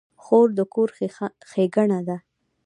خور د کور ښېګڼه ده.